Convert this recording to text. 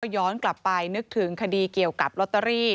ย้อนกลับไปนึกถึงคดีเกี่ยวกับลอตเตอรี่